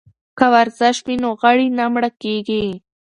که ورزش وي نو غړي نه مړه کیږي.